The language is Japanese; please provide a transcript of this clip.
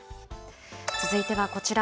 続いてはこちら。